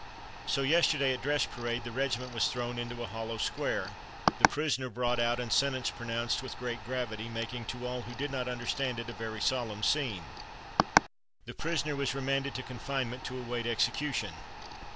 "So yesterday at dress parade the regiment was thrown into a hollow square, the prisoner brought out and sentence pronounced with great gravity, making to all who did not understand it a very solemn scene. The prisoner was remanded to confinement to await execution.